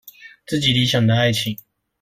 自己理想的愛情